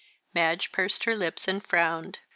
Madge pursed her lips and frowned.